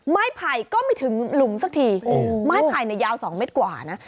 ไม้ไผ่ก็ไม่ถึงหลุมสักทีไม้ไผ่เนี่ยยาว๒เมตรกว่านะ